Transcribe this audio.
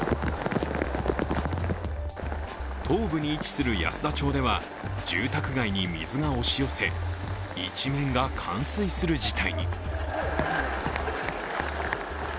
東部に位置する安田町では住宅街に水が押し寄せ、一面が冠水する事態に。